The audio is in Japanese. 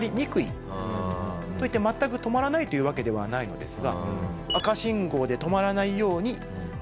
といって全く止まらないというわけではないのですが。